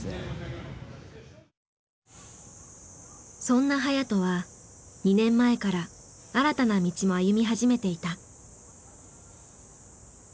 そんな颯人は２年前から新たな道も歩み始めていた。